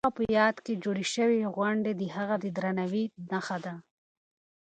د هغه په یاد کې جوړې شوې غونډې د هغه د درناوي نښه ده.